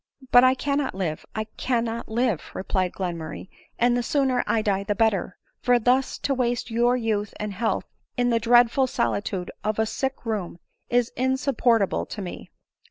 " But I cannot live, I cannot live," replied Glenmur ray, " and the sooner I die the better ; for thus to waste your youth and health in the dreadful solitude of a sick room is insupportable to me."